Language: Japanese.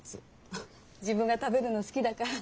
フフッ自分が食べるの好きだから。